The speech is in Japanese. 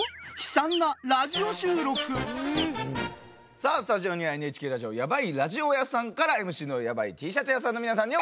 さあスタジオにはＮＨＫラジオ「ヤバイラジオ屋さん」からＭＣのヤバイＴシャツ屋さんの皆さんにお越しいただきました。